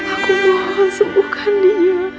aku mohon sembuhkan dia